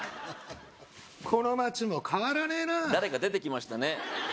この街も変わらねえな誰か出てきましたね